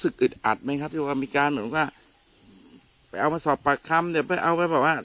คิดอืดอัดไหมครับว่ามีการว่าเป็นว่าเอาไปสอบปฏิคัม